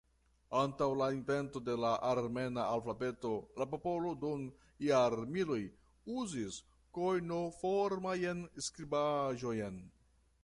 Antaŭ la invento de la armena alfabeto la popolo dum jarmiloj uzis kojnoformajn skribaĵojn.